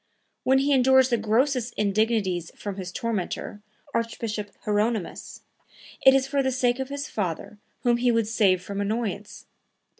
When he endures the grossest indignities from his tormentor, Archbishop Hieronymus, it is for the sake of his father whom he would save from annoyance.